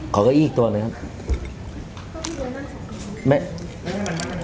ขอก็อีกตัวหนึ่งครับ